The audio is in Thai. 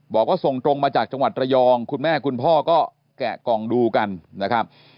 บอกว่าส่งตรงมาจากจังหวัดระยองคุณแม่คุณพ่อก็แกะกล่องดูกันนะครับ